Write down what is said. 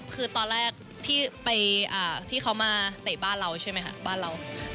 คือตอนแรกที่ไปอ่าที่เค้ามาเต๊ะบ้านเราใช่มั้ยค่ะบ้านเรา